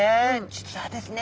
実はですね